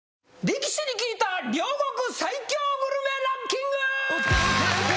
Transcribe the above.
力士に聞いた両国最強グルメランキング！